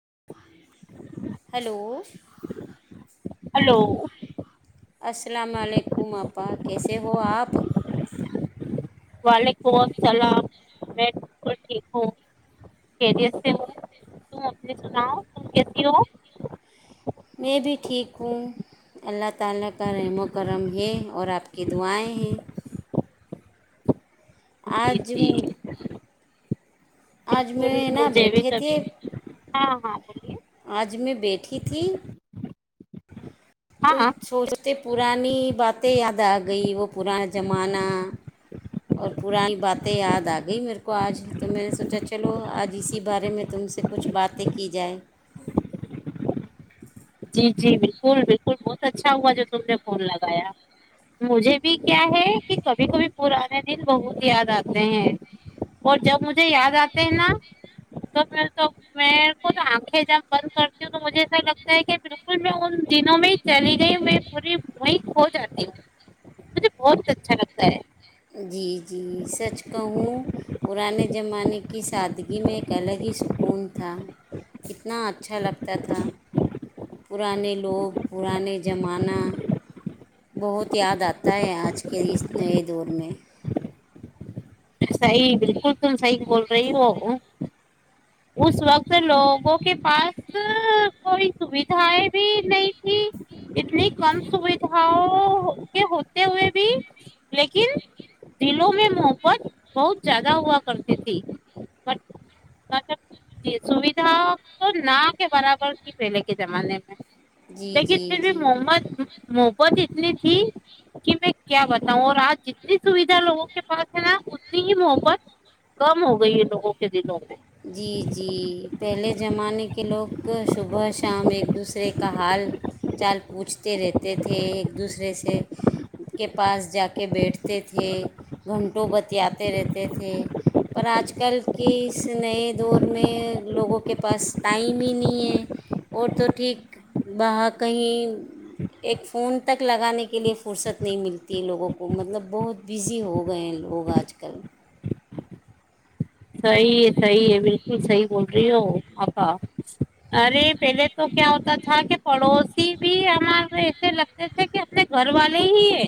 [unintelligible] hello hello السلام علیکم آپا کیسے ہو آپ وعلیکم السلام میں بالکل ٹھیک ہوں کیریت سے ہوں تم اپنے سناؤ تم کیسی ہو میں بھی ٹھیک ہوں اللہ تعالی [unintelligible] جی آج جی آج بالکل میں نا مجھے بھی بیٹھے تھے کبھی ہاں ہاں بولیے آج میں بیٹھی تھی پٹھی تو ہاں سوچتے پرانی باتیں یاد آ گئ وہ پرانا زمانہ اور پرانی باتیں یاد آ گئ میرے کو آج تو میں نے سوچا چلو آج اسی بارے میں تم سے کچھ باتیں کی جائیں جی جی بالکل بالکل بہت اچھا ہوا جو تم نے فون لگایا مجھے بھی کیا ہے کہ کبھی کبھی پرانے دن بہت یاد آتے ہیں اور جب مجھے یاد آتے ہیں نا توب میں تو میر کو آنکھیں جب بند کرتی ہوں تو مجھے ایسا لگتا ہے کہ بالکل میں ان دنوں میں چلی گئی ہوں میں پوری م کھو جاتی ہوں مجھے بہت اچھا لگتا ہے جی جی سچ کہوں پرانے زمانے کی سادگی میں ایک الگ ہی سکون تھا کتنا اچھا لگتا تھا پرانے لوگ پرانے زمانہ بہت یاد آتا ہے آج کے اس نئے دور میں [unintelligible] صحی بالکل تم صحی بول رہی ہو اس وقت لوگوں کے پاس کوئی سوھائیں بھی نہیں تھی اتنی کم سوھاؤ کے ہوتے ہوئے بھی لیکن دلوں میں محبت بہت زیادہ ہوا کرتی تھی مطلب سویدھا تو نہ کے برابر تھی پہلے کے زمانے میں جی لیکن جی پھر بھی جی محمت محبت اتنی تھی کہ میں کیا بتاؤں اور آج جتنی سویدھا لوگوں کے پاس ہے نا اتنی ہی محبت کم ہو گئی ہے لوگوں کے دنوں میں جی جی پہلے زمانے کے لوگ صبح شام ایک دوسرے کا حال چال پوچھتے رہتے تھے ایک دوسرے سے کے پاس جا کے بیٹھتے تھے گھنٹوں بتیاے رہتے تھے پر آج کل کے اس اس سے نئے دور میں لوگوں کے پاس ٹائم ہی نہیں ہے اور تو ٹھیک وہاں کہیں ایک فون تک لگانے کے لیے فرصت نہیں ملتی ہے لوگوں کو مطلب بہت بزی ہو گئے ہیں لوگ آج کل صحیح ہے صحیح ہے بالکل صحیح بول رہی ہو آکا ارے پہلے تو کیا ہوتا تھا کہ پڑوسی بھی ہمارے ایسے لگتے تھے کہ اپنے گھر والے ہی ہے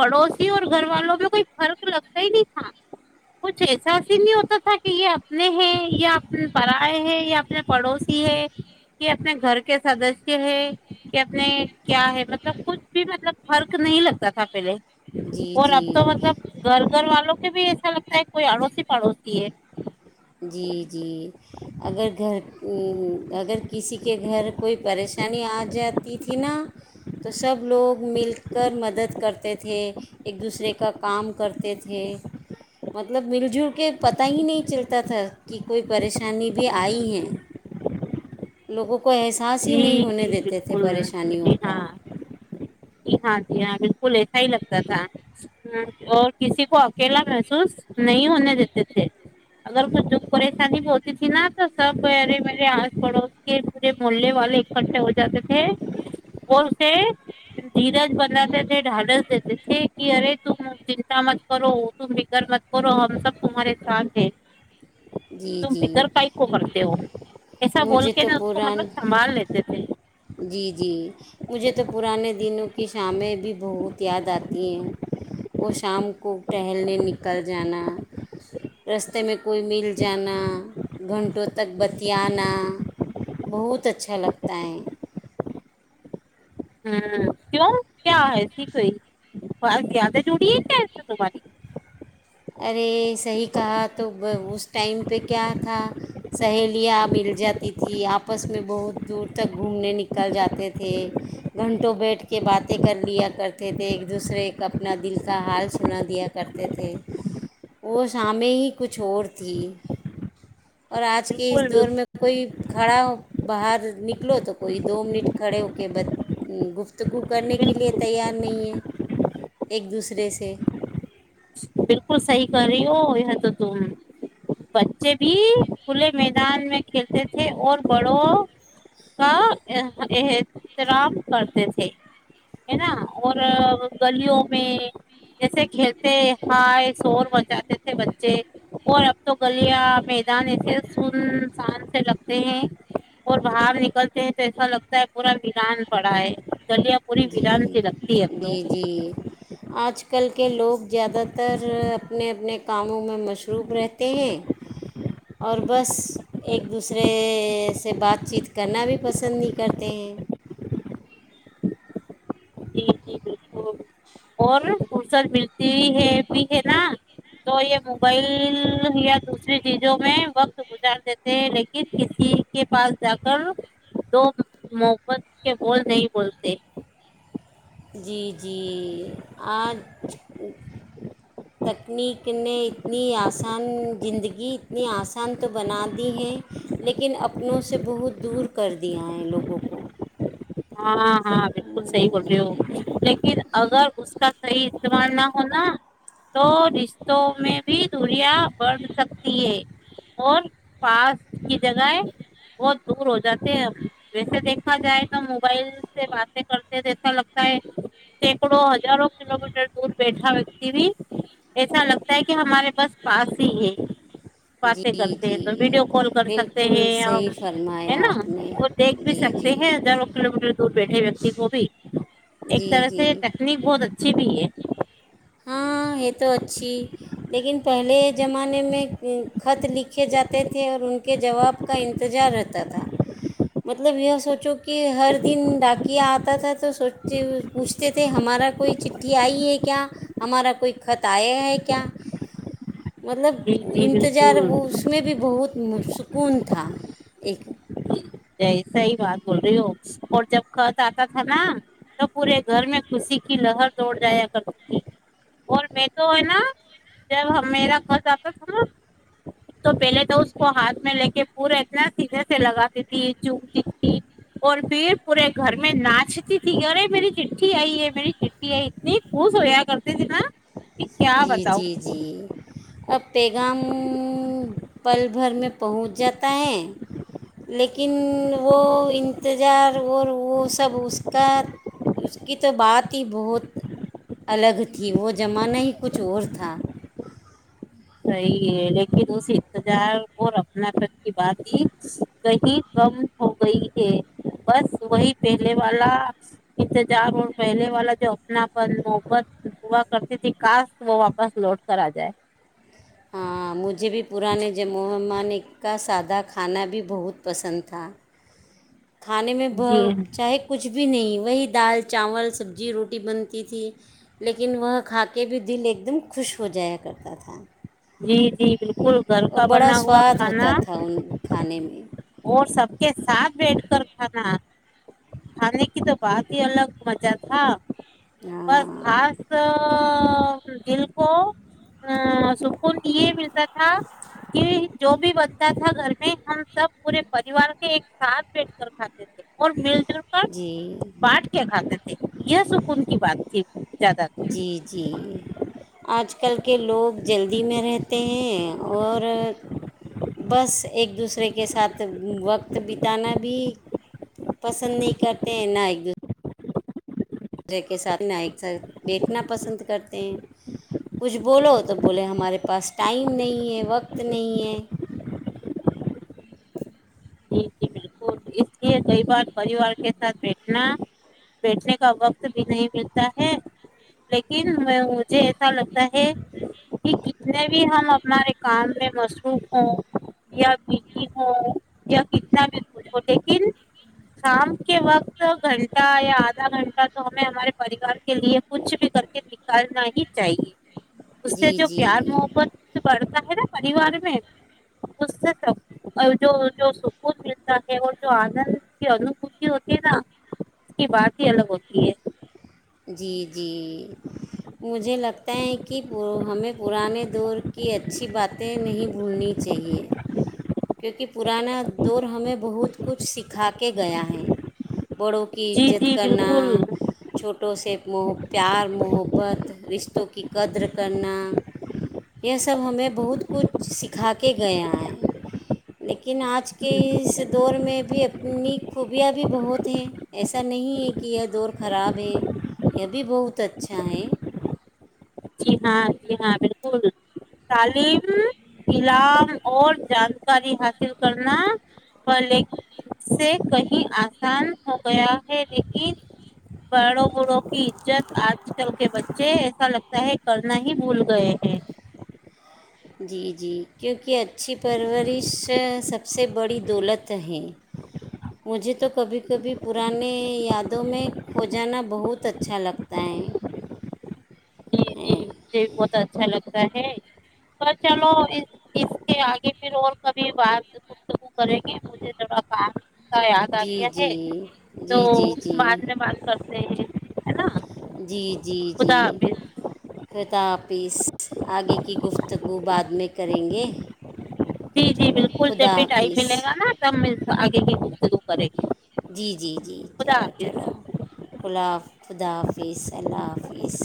پڑوسی اور گھر والوں میں کوئی فرق لگتا ہی نہیں تھا کچھ ایسا ہی نہیں ہوتا کہ یہ اپنے ہیں یا اپنے پرائے ہے یا اپنے پڑوسی ہے کہ اپنے گھر کے سدسیہ ہے کہ اپنے کیا ہے مطلب کچھ بھی مطلب فرق نہیں لگتا تھا پہلے جی اور اب تو جی مطلب گھر گھر والوں مے بھی ایسا لگتا ہے کوئی اڑوسی پڑوسی ہے جی جی اگر گھر اگر کسی کے گھر کوئی پریشانی آ جاتی تھی نا تو سب لوگ مل کر مدد کرتے تھے ایک دوسرے کا کام کرتے تھے مطلب مل جل کے پتہ ہی نہیں چلتا تھا کہ کوئی پریشانی پشانی بھی آئی ہیں لوگو کو احساس ہی جی نہیں ہونے جی دیتے تھے بالکل پریشانیوں کا ج ہاں جی ہاں بالکل ایسا ہی لگتا تھا اور کسی کو اکیلا محسوس نہیں ہونے دیتے تھے اگر کچھ دکھ پریشانی بھی ہوتی تھی نا تو سب میرے میرے آس پڑوس کے پورے محے والے اکٹھے ہو جاتے تھے اور اسے درج بناتے تھ ڈھالس دیتے تھ کہ ارے ت چنتا مت کرو ت بکگر مت کر اور ہم سب تمہارے ساتھ جیھ جی تم جی فکر پائپ کو کرتے ہو ایسا بول مجھے کے تو نا اس کو پران مطلب سنبھال لیتے تھے جی جی مجھے تو پرانے دنوں کی شامیں بھی بہت یاد آتی ہیں وہ شام کو ٹہلنے نکل جانا رستے میں کوئی مل جانا گھنٹوں تک بت آنا بہت اچھا لگتا ہے ہوں کیوں کیا ہے س کوئی اور کیاد جڑی ہے کیا اس دو باری ارے صحیح کہا تو اس ٹائم پہ کیا تھا سہیلیاں مل جاتی تھھی آپس میں بہت دور تک گھومنے نکل جاتے تھے گھنٹوں بیٹھ کے باتیں کر لیا کرتے تھے ایک دوسرے کا اپنا دل کا حال سنا دیا کرتے تھے وہ شامنے ہی کچھ اور تھی اور آج کے بالکل اس دور بالکل میں کوئی کھڑا ہو باہر نکلو تو کوئی دو منٹ کھڑے ہو کے ب گفت گو کرنے کے لیے بالکل تیار نہیں ایک دوسرے سے بالکل صحیح کر رہی ہو تو تم بچے بھی کھلے میدان میں کھیلتے تھے اور بڑوں کا ا احترام کرتے تھے ہے نا اور گلیوں میں جیسے کھیلتے کھائے شور بجاتے تھے بچے اور اب تو گلیاں میدان ایسے سنسان سے لگتے ہیں اور باہر نکلتے ہیں تو ایسا لگتا ہے پورا میران پڑا ہے گلیاں پوری جی ویران سی لگتی ہے اب تو جی جی آج کل کے لوگ زیادہ ت ا تر اپنے اپنے کاموں میں مصروف رہتے ہیں اور بس ایک دوسرے سے بات چیت کرنا بھی پسند نہیں کرتے ہیں جی جی بالکل اور فرصت ملتی ہے بھی ہے نا تو یہ موبائل یا دوسری چیزوں میں وقت گزار دیتے ہیں لیکن کسی کے پاس جا کر دو محبت کے بول نہیں بولتے جی جی آج تکنیک نے اتنی آسان زندگی اتنی آسان تو بنا دی ہے لیکن اپنوں سے بہت دور کر دیا ہے لوگوں کو ہاں ہاں بالکل صحیح بول رہی ہو لیکن اگر اس کا صحیح استعمال نہ ہونا تو رشتوں میں دوریا برن سب اور پاس کی جگہ بہت دور ہو جاتے ہیں ویسے دیکھا جائے تو موبائل سے باتیں کرتے جیسا لگتا ہے سینکڑوں ہزارہ کلو میٹر دور بیٹھا ویکتی بھی ایسا لگتا ہے کہ ہمارے بس پاس ہی ہے باتیں جی کرتے ہیں جی تو ویڈیو کال کر سکتے بالکل ہیں ہم صحیح ہے فرمایا نا آپ نے وہ دیکھ بھی جی سکتے ہیں جی ہزاروں کلو میٹر دور بیٹھے ویکتی کو بھی ایک جی طرح جی سے ٹیکنیک بہت اچھی بھی ہے ہاں یہ تو اچھی لیکن پہلے زمانے میں خط لکھے جاتے تھے اور ان کے جواب کا انتظار رہتا تھا مطلب یہ سوچو کہ ہر دن ڈاکیا آتا تھا تو سوچتے پوچھتے تھے ہمارا کوئی چٹھی آئی ہے کیا ہمارا کوئی خط آئے ہے کیا مطلب جی جی انتظار بالکل اس میں بھی بہت مش سکون تھا ایک جی صحیح بات بول رہی ہو اور جب خط آتا تھا نا تو پورے گھر میں خوشی کی لہر توڑ جایا کرتی تھی اور میں تو ہے نا جب میرا خط آتا تھا نا تو پہلے تو اس کو ہاتھ میں لے کے پورا اتنا سیدھے سے لگات ت چتی تھی اور پھر پورے گھر میں ناچتی تھی یرے میری چٹھی آئی ہے میری چٹھی آئی اتنی خوش ہویا کرتی تھی نا کہ کیا جی بتاؤ جی جی اب پیغام پل بھر میں پہنچ جاتا ہے لیکن وہ انتظار اور وہ سب اس کا اس کی تو بات ہی بہت ال وہ جمع نہیں کچھ اور تھا صحیح ہے لیکن اس انتظار اور اپناپن کی بات ہی کہیں کم ہو گئی ہے بس وہی پہلے والا انتظار اور پہلے والا جو اپناپن محبت ہوا کرتی تھی کاش وہ واپس لوٹ کر آ جائے ہاں مجھے بھی پرانے ج مہمان کا سادہ کھانا بھی بہت پسند تھا کھانے میں جی چاہے کچھ کچھ بھی نہیں وہی دال چاول سبزی روٹی بنتی تھی لیکن وہ کھا کے بھی دل ایک دم خوش ہو جایا کرتا تھا جی جی بالکل گھر اور کا بڑا بنا ہوا سواد کھانا ہوتا تھا ان کھانے میں اور سب کے ساتھ بیٹھ کر کھانا کھانے کی تو بہت ہی الگ مزہ تھا بس ہاں خاص ا دلکو ا س یہ ملتا تھا کہ جو بھی بچہ تھا گھر میں ہم سب پورے پریوار کے ایک ساتھ بیٹھ کر کھاتے تھے اور مل جل کر جی بانٹ کے کھاتے یہ سکون کی بات تھی زیادہ تر جی جی آج کل کے لوگ جل میں رہتے ہیں اور بس ایک دوسرے کے ساتھ وقت بتانا بھی پسند نہیں کرتے ہیں نہ ایک دوسرے مرے کے ساتھ ن ایک ساتھ بیٹھنا پسند کرتے ہیں کچھ بولو تو بولے ہمارے پاس ٹائم نہیں ہے وقت نہیں ہے جی جی بالکل اس لیے کئی بار پریوار کے ساتھ بیٹھنا بیٹھنے کا وقت بھی نہیں ملتا ہے لیکن مجھے ایسا لگتا ہے جتنے بھی ہم اپارے کام میں مصروف ہوں یا بی ہوں یا کتنا بھی اس کو لیکن شام کے وقت گھنٹہ یا آدھا گھنٹہ تو ہمیں ہمارے پریوار کے لیے کچھ بھی کر کے نکالنا ہی چاہیے اس سے جی جو پیار جی محبت بڑھ را پریوار میں اس سے س جو جو سکون م ہے اور جو آنند کی انوبھتی ہوتی ہے نا اس کی بات ہی الگ ہوتی ہے جی جی مجھے لگتا ہے کہ ہمیں پرانے دور کی اچھی باتیں نہیں بھولنی چاہیے کیونکہ پرانا دور ہمیں بہت کچھ سکھا کے گیا ہے بڑوں کی جی عزت جی کرنا بالکل فوٹو سے ار محبت رشتوں کی قدر کرنا یہ سب ہمیں بہت کچھ سکھا کے گیا ہے ل لیکن آج جی کے دور میں بھی اپنی خوبیاں بھی بہت ہیں ایسا نہیں ہے کہ یہ دور خراب یہ بھی بہت اچھا ہے جی ہاں جی ہاں بالکل تعلیم علام اور جانکاری حاصل کرنا پلے سے کہیں آسان ہو گیا ہے لیکن بڑوں بوڑھوں کی عزت آج کل کے بچے ایسا لگتا سہ کرنا ہی بھول گئے ہیں جی جی کیونکہ اچھی پرورش سب سے بڑی دولت ہے مجھے تو کبھی کبھی پرانے یادوں میں کھو جانا بہت اچھا لگتا ہے ہیں یہ بہت اچھا لگتا ہے ہے تو چلو اس کے آگے پھر اور کبھی بات گتگو کریں گے مجھے ذرا کام کا یاد آ جی گیا ہے جی تو جی جی جی بعد میں بات کر نٹ جی جی جی خطہ آاپس آگے کی گفتگو بعد میں کریں گے جی جی چلو بالکل جب خدا بھی ٹائم حافظ ملے گا نا تب م آگے کی شروع کرے گے جی جی جی خدا چلو حافظ چلو گلاب خدافظ اللہ حافظ